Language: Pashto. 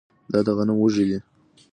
دا د غنم وږی دی